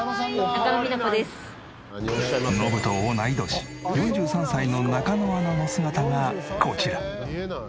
ノブと同い年４３歳の中野アナの姿がこちら。